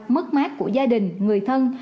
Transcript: mất mát của gia đình người thân